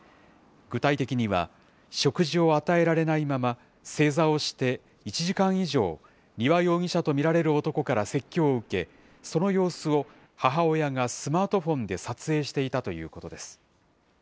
具体的には、食事を与えられないまま正座をして１時間以上、丹羽容疑者と見られる男から説教を受け、その様子を母親がスマートフォンで撮影していたということです。